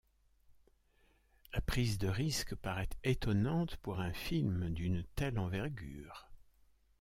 La prise de risque paraît étonnante pour un film d'une telle envergure.